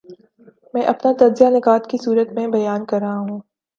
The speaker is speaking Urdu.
میں اپنا تجزیہ نکات کی صورت میں بیان کر رہا ہوں۔